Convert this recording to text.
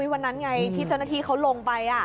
วันนั้นไงที่เจ้าหน้าที่เขาลงไป